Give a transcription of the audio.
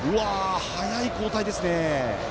早い交代ですね。